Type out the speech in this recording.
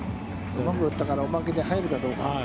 うまく打ったからおまけで入るかと。